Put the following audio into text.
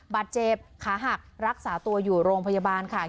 บาดเจ็บขาหักรักษาตัวอยู่โรงพยาบาลค่ะ